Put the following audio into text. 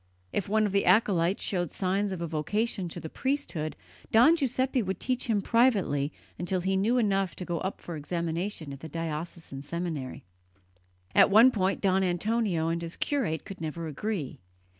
If one of the acolytes showed signs of a vocation to the priesthood, Don Giuseppe would teach him privately until he knew enough to go up for examination at the diocesan seminary. On one point Don Antonio and his curate could never agree.